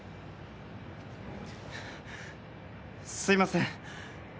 すいません